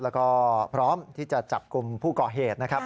แล้วก็พร้อมที่จะจับกลุ่มผู้ก่อเหตุนะครับ